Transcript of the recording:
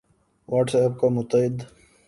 what's app کا متعد